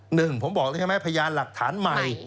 หนึ่งผมบอกเลยใช่ไหมพยานหลักฐานใหม่